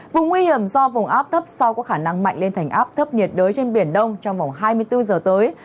vùng nguy hiểm do vùng áp thấp sau có khả năng mạnh lên thành áp thấp nhiệt đới trên biển đông trong vòng hai mươi bốn giờ tới